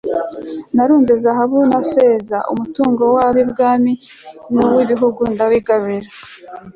narunze zahabu na feza, umutungo w'abami n'uw'ibihugu ndawigarurira